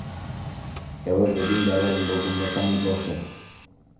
ئێوەش بە دوومدا وەرن بۆ گوندەکانی بۆتێ